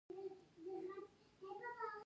جینېټیک د وراثت پوهنه ده